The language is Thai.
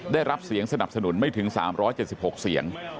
ได้รับเสียงสนับสนุนไม่ถึง๓๗๖เสียง